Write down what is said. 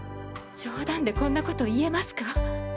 冗談でこんなこと言えますか？